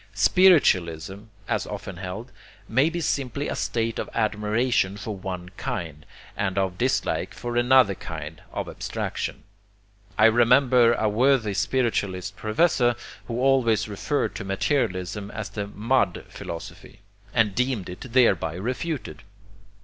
Spiritualism, as often held, may be simply a state of admiration for one kind, and of dislike for another kind, of abstraction. I remember a worthy spiritualist professor who always referred to materialism as the 'mud philosophy,' and deemed it thereby refuted.